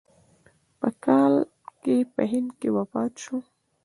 په کال کې په هند کې وفات شو.